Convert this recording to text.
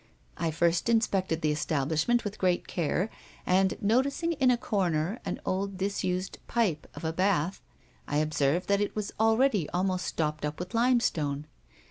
I first inspected the establishment with great care, and, noticing in a corner an old disused pipe of a bath, I observed that it was already almost stopped up with limestone.